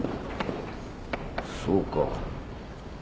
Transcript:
そうか。